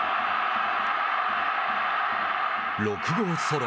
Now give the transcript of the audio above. ６号ソロ。